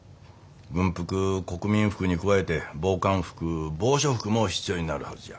軍服国民服に加えて防寒服防暑服も必要になるはずじゃ。